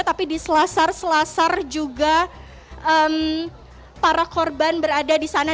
tapi di selasar selasar juga para korban berada di sana